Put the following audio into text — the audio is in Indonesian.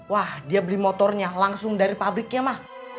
wah dia beli motornya langsung dari pabriknya mah